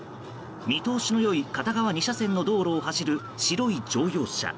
見通しのいい片側２車線の道路を走る白い乗用車。